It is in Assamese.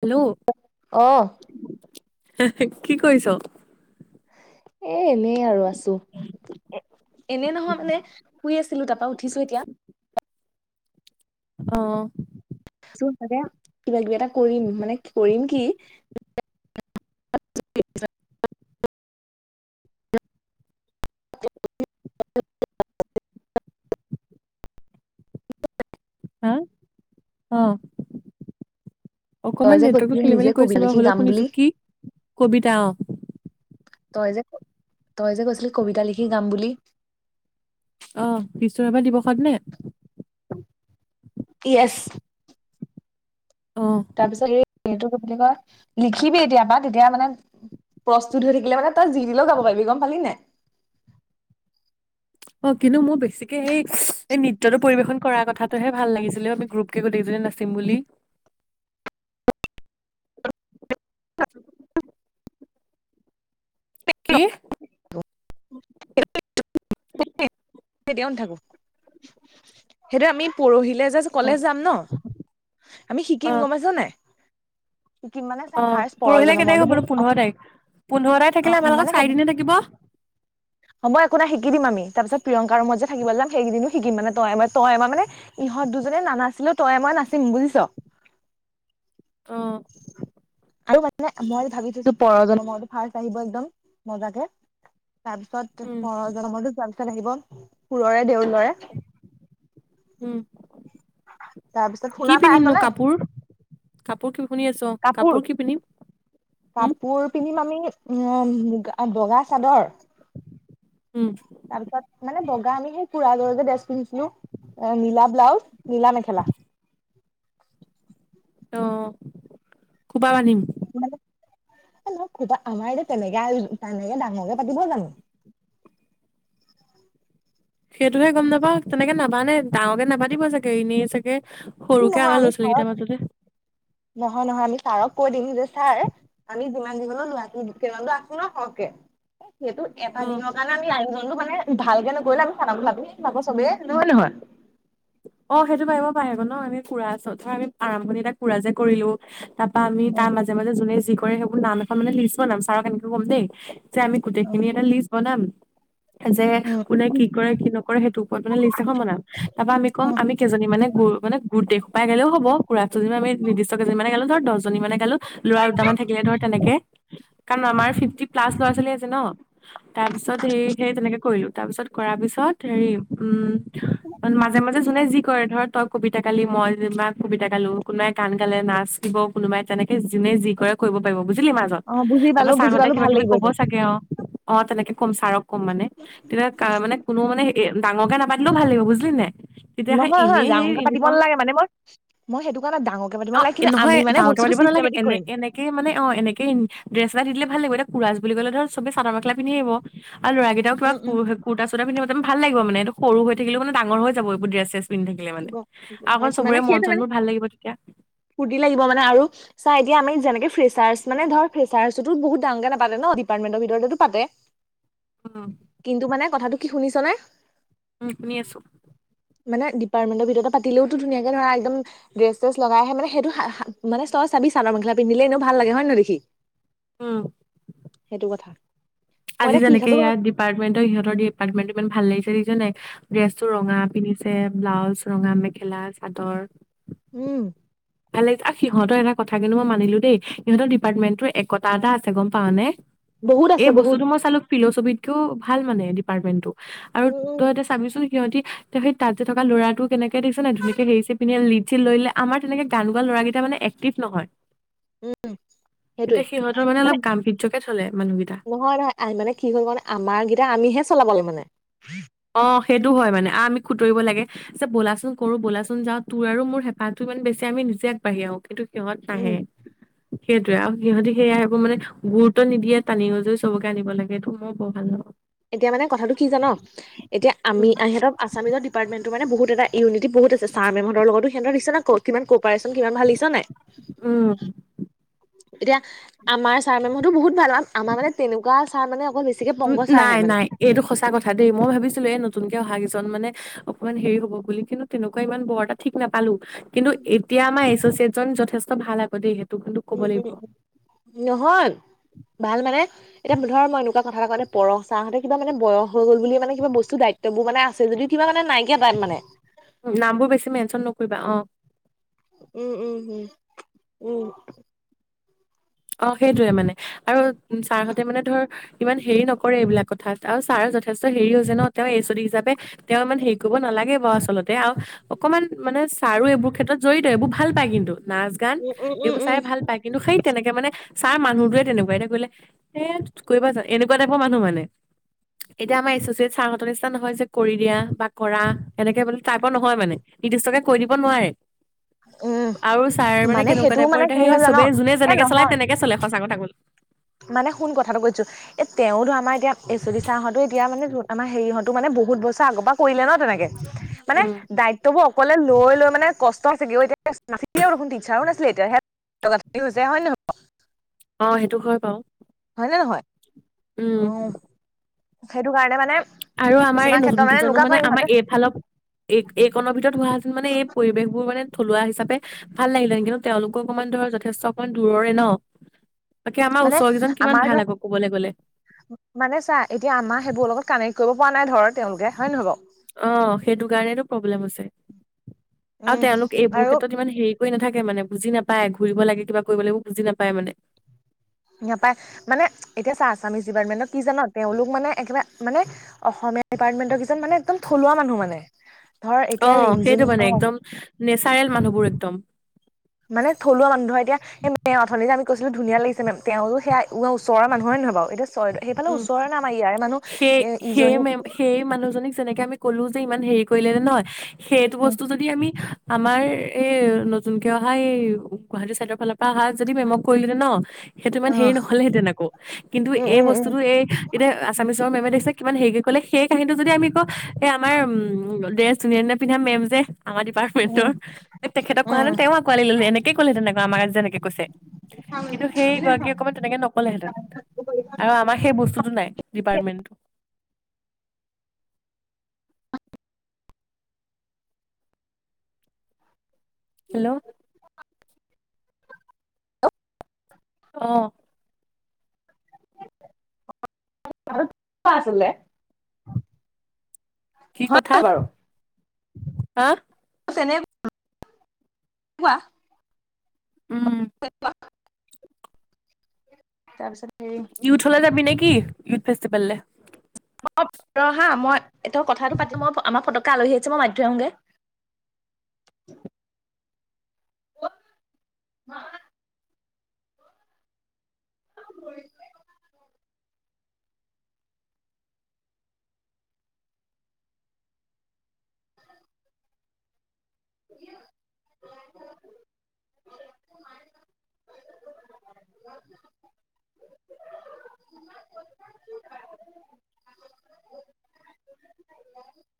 হেল্ল' অ হে হে কি কৰিছ? এ -এনেই আৰু আছো। এনে নহয় মানে শুই আছিলো, তাৰপা উঠিছো এতিয়া অ তোৰ চাগে কিবা কিবা এটা কৰিম মানে কৰিম কি [unintelligible] হা অ। তই অকণমান যে নেটৱৰ্কটো কৈছিলি খেলি নিজে মেলি কবিতা কৈছে বাৰু লিখি হ'লেও গাম বুলি শুনিছো কি কবিতা অ। তই যে তই যে কৈছিলি কবিতা লিখি গাম বুলি। অ, বিষ্ণুৰাভা দিৱসত নে? য়েছ অ তাৰপিছত সেই এইটো কি বুলি কয় লিখিবি এতিয়া বা তেতিয়া মানে প্ৰস্তুত হৈ থাকিলে মানে তই যি দিলেও গাব পাৰিবি গম পালি নে। অ কিন্তু মোৰ বেছিকে সেই এই নৃত্যটো পৰিবেশন কৰা কথাটোহে ভাল লাগিছিলে আমি গ্ৰুপকে গোটেইজনী নাচিম বুলি। [unintelligible] কি? [unintelligible] [unintelligible] কেতিয়াও নাথাকো, সেইটো আমি পৰহিলে অ কলেজ যাম ন আমি অ শিকিম গম পাইছে নাই। শিকিম মানে চা অ ফাৰ্ষ্ট পৰহিলে কেই তাৰিখ পৰজনমৰটো হ'ব দিম নো অ পোন্ধৰ তাৰিখ, পোন্ধৰ তাৰিখ থাকিলে আমাৰ লগত মানে হ'ব চাৰি দিনে থাকিব। তাৰ পিছত প্ৰিয়ংকা মই যে থাকিবলৈ যাম সেইকেইদিনো শিকিম মানে তই মই তই আমাৰ মানে ইহত দুজনে নানাছিলেও তয়ে ময়ে নাচিম বুজিছ। অ আৰু মানে মই ভাবি থৈছো পৰজন মই ফাৰ্ষ্ট আহিব একদম মজাকে। তাৰ পিছত উম [unintelligible] [unintelligible] পুৰৰে দেউল। ল'ৰা। উম কি পিন্ধিমনো কাপোৰ? কাপোৰ কি শুনি আছো অ কাপোৰ কি পিন্ধিম? উম। উ মুগা বগা চাদৰ। উম তাৰপিছত মানে বগ আমি সেই কুৰা দৰে যে ড্ৰেছ পিন্ধিছিলো অ নিলা ব্লাউজ। নীলা মেখেলা। অ। খোপা বান্ধিম। [unintelligible] আমাৰ এতিয়া তেনেকে তেনেকে ডাঙৰকে পাতিব জানো। সেইটোহে গম নাপাওঁ তেনেকে নাবানে ডাঙৰকে নাবান দিব চাগে এনেই চাগে ই সৰুকে নহয় আমাৰ আমি ল'ৰা ছাৰক ছোৱালীকেইটাৰ মাজতে। নহয় নহয় আমি ছাৰক কৈ দিম যে ছাৰ আমি যিমান যি হলেও লৰাটো কেইবাজনো আছো ন সৰহকে। সেইটো অ এটা দিনৰ কাৰণে আমি আ মানে ভালকে নকৰিলে আমি [unintelligible] চবে নহয় নহয়। অ সেইটো পাৰিব পাৰিব ন আমি [unintelligible] আমি আৰম্ভণি এটা কুৰা যে কৰিলোঁ। তাপ পা আমি উম তাৰ মাজে মাজে যোনে কয়। সেইবোৰ নাম এখন মানে লিছোৱা নাম ছাৰক এনেকৈ ক'ম দেই। যে আমি উম গোটইখিনি এটা লিষ্ট। বনাম। যে কোনে উম কি কৰে কি নকৰে সেইটোৰ ওপৰত মানে লিষ্ট এখন বনাম, তাৰ পৰা আমি। অৱ উম আমি কেইজনী মানে গুৰ মানে গোটেই সোপা গেলেইও হ'ব, [unintelligible] দুজনী আমি নিৰ্দিষ্ট কেইজনী। দহজনী মানে গালো ল'ৰা দুটা মান থাকিলে, নহয় তেনেকে কাৰণ আমাৰ ফিভটি প্লাছ ল'ৰা-ছোৱালী। ন তাৰ পিছত হে সেই তেনেকে কৰিলো তাৰপিছত কৰা পিছত হেৰি উম, মাজে মাজে যোনে যি কৰে ধৰ তই কবিতা গালি মই কবিতা গালো কোনোবাই গান গালে নাচ গালে কোনোবাই তেনেকে যোনে যি কৰে কৰিব পাৰিব বুজিছ। বুজিলি মাজত অ বুজি পালো তাৰপাছত বুজি ছাৰহতে পালো কিবা ভাল কিবি লাগিব ক'ব এইটো চাগে আও অ তেনেকে কম ছাৰক কম মানে, তেতিয়া মানে কোনো মানে এ ডাঙৰকে নাপাতিলেও ভাল লাগিব বুজিলি নাই তেতিয়া হে নহয় নহয় এনেই হে ডাঙৰকে পাতিব ইউনিফৰ্ম, নালাগে মানে মই মই সেইটো কাৰণে ডাঙৰকে পাতিব অৱ নালাগে কিন্তু নহয় আমি মানে ডাঙৰকে বস্তুটো মাতিব নালাগে চিষ্টেমেটিক এনে কৰিম এনেকে মানে অ এনেকে ড্ৰেছ এটা দি দিলে ভাল লাগিব। উৰাচ বুলি কলে ধৰ চবে চাদৰ মেখেলা পিন্ধি আহিব। আৰু ল'ৰাকেইটাক পোৰা উম উম কুৰটা চুৰটা পিন্ধি আহিব ভাল লাগিব মানে। সৰু হৈ থাকিলেও মানে ডাঙৰ হৈ যাব এইোৰ ড্ৰেছ। চেছ পিন্ধি থাকিলে মানে গ গম আৰু অকণ পাইছো চবৰে মানে, মন সেইটো মানে চনবোৰ ভাল লাগিব তেতিয়া ফূুৰ্তি লাগিব মানে আৰু চাই এতিয়া আমি যেনেকে ফ্ৰেচাৰ্চ মানে ধৰ ফেচাৰ্চতো বহুত ডাঙৰ কে নাপাতে ন ডিপাৰ্টমেন্টৰ ভিতৰতো পাতে। উম কিন্তু মানে কথাটো কি শুনিছ। বুজিচনে উম শুনি আছো। মানে ডিপাৰ্টমেণ্ট ৰ ভিতৰতে পাতিলে ধুনীয়াকে ধৰা একদম ড্ৰেছ স্ৰেছ লগাই আহে মানে হেইটো মানে তই চাবি চাদৰ মেখেলা পিন্ধিলে এনেও ভাল লাগে হয় ন দেখি উম সেইটো কথা। মই আজি এতিয়া কি যেনেকে সাজো গম এইয়াৰ ডিপাৰ্টমেণ্টৰ ইহঁতৰ ডিপাৰ্টমেণ্টৰ ইমান ভাল লাগিছে দেখিছ নাই। ড্ৰেছটো নাপাওঁ। ৰঙা পিন্ধিছে। আছে ব্লাউজ ৰঙা মেখেলা চাদৰ উম ভাল লাগিছে আহ সিহঁতৰ এটা কথা কিন্তু মই মানিলো দেই সিহঁতৰ ডিপাৰ্টমেণ্টটোৰ একতা এটা আছে গম পাওঁ নে? বহুত আছে বহুত ফিলচফিত কৈও ভাল মানে ডিপাৰটমেনটো। আৰু উম উম তই এতিয়া ছাবিছোন সিহঁতি সেই তাত যে থকা ল'ৰাটো কেনেকে দেখছ নাই ধুনিয়াকে হেৰি চেৰী পিন্ধি আছে আমাৰ তেনেকে গান গোৱা ল'ৰাকেইটা মানে এক্টিভ নহয় উম সেইটোৱে তেতিয়া সিহঁতৰ মানে অলপ গাম্ভীৰ্যকে চলে মানুহকেইটা নহয় নহয় মানে কি হ'ল মানে আমাৰ কেইটা আমিহে চলাব লাগে মানে ফ্ৰী [inaudible] অ সেইটো হয় মানে আমি খুতৰিব লাগে যে ব'লাচোন কৰো বলাচোন যাওঁ তোৰ আৰু মোৰ হেঁপাহটো ইমান বেছি আমি নিজে আগবাঢ়ি আহো কিন্তু সিহঁত উম নাহে সেইটোৱে আৰু সিহঁতি সেইয়া সেইবোৰ মানে গুৰুত্ব নিদিয়ে টানি আজোৰি চবকে আনিব লাগে মই বৰ ভাল নাপাওঁ এতিয়া মানে কথাটো কি জান এতিয়া আমি উম সেতক আচামিজৰ ডিপাৰ্টমেণ্ট ত মানে বহুত এটা ইউনিটি বহুত আছে ছাৰ মেমহতৰ লগতো সিহঁতৰ দিখিছ নাই কিমান কপাৰেচন কিমান ভাল লাগিছে হয় নাই উম এতিয়া আমাৰ ছাৰ মেমহতো বহুত ভাল আমাৰ মানে তেনেকুৱা ছাৰ মানে অকল বেছিকে ওমহু পংকজ ছাৰহে নাই মানে নাই এইটো সঁচা কথা দেই মই ভাবিছিলো এই নতুনকে অহা কেইজন মানে অকমান হেৰি হ'ব বুলি কিন্তু তেনেকুৱা ইমান বৰ এটা ঠিক নাপালো কিন্তু এতিয়া আমাৰ এচচিয়েট জন যথেষ্ট ভাল আকৌ দেই কিন্তু ক'ব উম লাগিব উম উম নহল ভাল মানে এতিয়া ধৰ মই এনেকুৱা কথা কওঁতে পৰশ ছাৰহঁতে কিবা মানে বয়স হৈ গল বুলিয়ে মানে কিবা বস্তু দায়িত্ববোৰ মানে আছে যদিও কিবা মানে নাই নামবোৰ বেছি মেনচন নকৰিবা অ উম উম উম উম অ সেইটোয়ে মানে আৰু ছাৰহঁতে মানে ধৰ ইমান হেৰি নকৰে এইবিলাক কথাত আৰু ছাৰ যথেষ্ট হেৰি হৈছে ন তেওঁ এ ছদি হিচাপে তেওঁ ইমান হেৰি কৰিব নালাগে বাও আচলতে তে আও অকমান মানে ছাৰো এইবোৰ ক্ষেত্ৰত জড়িত এইবোৰ ভাল পায় কিন্তু নাচ গান উম, উম, উম, এইবোৰ উম, চাই ভাল পায় কিন্তু সেই তেনেকে ছাৰ মানুহ টোৱে তেনেকোৱা বাইদেউ কলে এ কৰিবা জানো এনেকোৱা টাইপৰ মানুহ মানে এতিয়া আমাৰ এছচিয়েত ছাৰহঁতৰ নিচিনা নহয় যে কৰি দিয়া বা কৰা এনেকে বোলে টাইপৰ নহয় মানে নিৰ্দিষ্টকে কৈ দিব নোৱাৰে উম, আৰু ছাৰ মানে কেনেকুৱা সেইটো টাইপৰ মানে এতিয়া কি সেই হ'ল জান চবে যোনে এ যেনেকে চলে নহয় তেনেকে চলে সঁচা কথা চাগল [unintelligible] মানে শুন কথাটো কৈছো এ তেওঁতো আমাৰ এতিয়া এচডী ছাৰহঁতে এতিয়া মানে আমাৰ হেৰিহতো মানে বহুত বছৰ আগৰ পৰা কৰিলে ন তেনেকে মানে উম দায়িত্ববোৰ অকলে লৈ লৈ মানে কষ্ট তই চাগে এতিয়া দেখোন তিন ছাৰো নাছিলে এতিয়া হৈছে হয় নহয় বাঅ অ সেইটো হয় বাও হয়নে নহয় অ সেইটো কাৰণে মানে আৰু আমাৰ এই কিছুমান ক্ষেত্ৰত নতুন কেইজনো এনেকুৱা মানে কৰে ইহঁতে আমাৰ এইফালৰ এই এইকনৰ ভিতৰত হোৱান মানে এই পৰিৱেশ বোৰ মানে থলুৱা হিচাপে ৰূপে ভাল লাগিলে কিন্তু তেওঁলোকক মানে ধৰ যথেষ্ট অকমান দূৰৰে ন বাকী আমাৰ মানে ওচৰ কেইজন কিমান আমাৰ ভাল ধৰ আকৌ ক'বলৈ গ'লে মানে চা এতিয়া আমা সেইবোৰ লগত কানেক্ট কৰিব। পোৱা নাই ধৰ। তেওঁলোকে হয় নহয় বাৰু অ সেইটো কাৰণেতো- প্ৰব্লেম আছে। আৰু উম তেওঁলোক এইবোৰ আৰু ক্ষেত্ৰত ইমান হেৰি কৰি নাথাকে মানে বুজি নাপায়, ঘূৰিব লাগে কিবা কৰিব লাগিব বুজি নাপায় মানে। নাপায়। মানে এতিয়া চা আছামিছ ডিপাৰ্টমেন্টক কি জান? তেওঁলোক মানে একেবাৰে মানে অসমীয়া ডিপাৰ্টমেন্টৰ কিছু মানে একদম থলুৱা মানুহ মানে। ধৰ এতিয়া অ' ৰিমজিম সেইটো মানে অ একদম নেচাৰেল মানুহবোৰ একদম। মানে থলুৱা মানুহ ধৰ এতিয়া এই মেম অথনি যে আমি কৈছিলো ধুনীয়া লাগিছ মেম তেওঁৰো সয়া ওৰ মানুহে নহয় বাৰু? এতিয়া চৰাইদেউ সেইফালে উম ওচৰৰ নামাৰ ইয়াৰে মানুহ, এ ইজনী তেনেকে আমি কলো যে ইমান হেৰি কৰিলে নে নহয়? সেইটো উম বস্তু যদি আমি আমাৰ এই নতুনকে অহা এই গুৱাহাটী চাইডৰ ফালৰ পৰা অহা যদি মেমক কৰিলে হেঁতেন ন? সেইটো ইমান অ হেৰি নহলহেঁতেন আকৌ, কিন্তু। উম এই উম উম বস্তুতটো এই এতিয়া আছামিছৰ মেমে দেখিছে কিমান হেৰি। ক'লে সেই কাহিনীটো যদি আমি কও এই আমাৰ উম দেচ ধুনীয়া ধুনীয়া পিন্ধা মেম যে? আমাৰ ডিপাৰ্টমেণ্টৰ উম তেখেতক কোৱাহেঁতেন তেওঁ আঁকোৱালি ললে এনেকে ক'লেহেঁতেনক আমাৰ আ যেনেকে কৈছে। কিন্তু সেই গৰাকীয়ে উম অকণমান তেনেকে নকলেহেঁতেন। আমাৰ সেই বস্তুতো নাইটো, ডিপাৰ্টমেণ্ট হেল্ল' আহ অহ আৰু কিবাআছিলে। কি কথা? হয় বাৰু আহ? নে। কোৱা? উম। তাৰপিছত সৰি। কি ই ফেষ্টিেল? ম ৰ হা? মই। এটা কথাটো পাতি মই আমাৰ পতকে। কলহী আছে মই আহোগে। [unintelligible] [unintelligible] কাম কৰিছে? [unintelligible] [unintelligible]